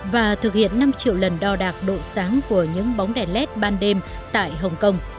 và thực hiện năm triệu lần đo đạc độ sáng của những bóng đèn led ban đêm tại hồng kông